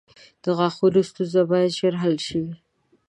• د غاښونو ستونزه باید ژر حل شي.